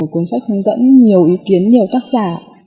cuốn sách hướng dẫn nhiều ý kiến nhiều tác giả